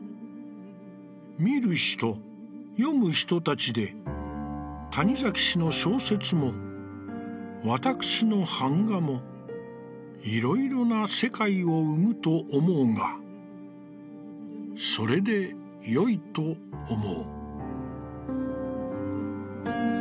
「見る人、読む人たちで、谷崎氏の小説も、わたくしの板画も、色々な世界を生むと思うがそれでよいと思う」。